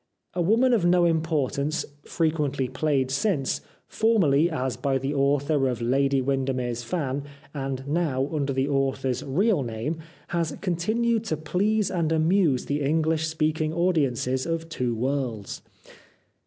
" A Woman of No Importance " frequently played since, formerly as by the author of " Lady Winder mere's Fan," and now under the author's real name, has continued to please and amuse the English speaking audiences of two worlds.